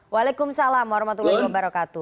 waalaikumsalam wr wb